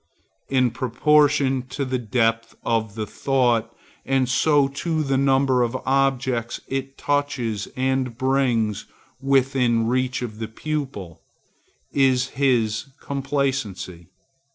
In proportion to the depth of the thought, and so to the number of the objects it touches and brings within reach of the pupil, is his complacency.